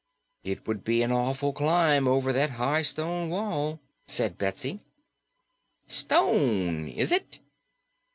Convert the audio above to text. "It would be an awful climb over that high stone wall," said Betsy. "Stone, is it?"